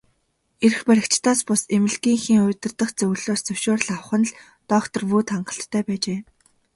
Эрх баригчдаас бус, эмнэлгийнхээ удирдах зөвлөлөөс зөвшөөрөл авах нь л доктор Вүд хангалттай байжээ.